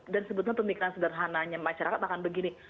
dan sebetulnya pemikiran sederhananya masyarakat akan begini